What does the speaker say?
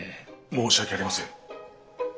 申し訳ありません。